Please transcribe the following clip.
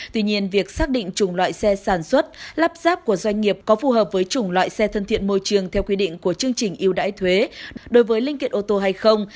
tuy nhiên việc xác định chủng loại xe sản xuất lắp ráp của doanh nghiệp có phù hợp với chủng loại xe thân thiện môi trường theo quy định của chương trình yêu đáy thuế đối với linh kiện ô tô hay không